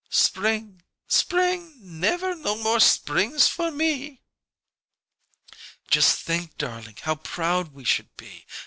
"'Spring' 'spring' never no more springs for me " "Just think, darling, how proud we should be!